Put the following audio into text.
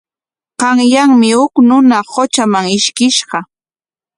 Qanyanmi huk runa qutraman ishkishqa.